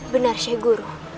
benar syekh guru